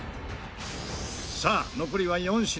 さあ残りは４品。